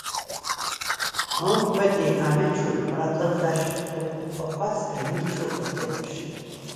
ონჴვედ ი ამეჩუ პრატჷლდა̈შ ყურყვ ოხა̈სყ ი მი ჩოთეპჟ.